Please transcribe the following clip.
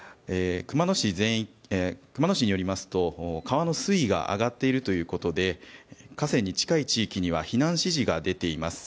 熊野市によりますと、川の水位が上がっているということで河川に近い地域には避難指示が出ています。